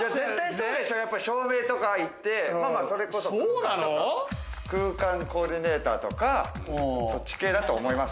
照明とか言って、空間コーディネーターとか、そっち系だと思います。